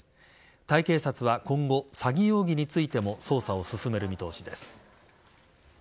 タイ警察は今後、詐欺容疑についても捜査を進める見通しです。